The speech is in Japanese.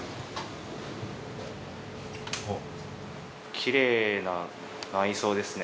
きれいな内装ですね。